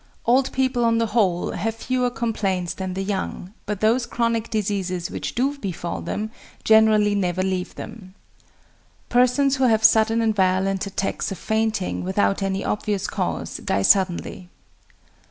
"Old people on the whole have fewer complaints than the young; but those chronic diseases which do befall them generally never leave them." "Persons who have sudden and violent attacks of fainting without any obvious cause die suddenly."